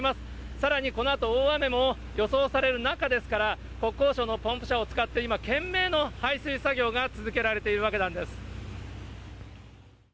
さらにこのあと大雨も予想される中ですから、国交省のポンプ車を使って、今、懸命の排水作業が続けられているわけなんです。